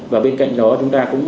và bên cạnh đó chúng ta cũng